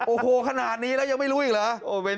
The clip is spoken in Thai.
โอ้โหขนาดนี้แล้วยังไม่รู้อีกเหรอ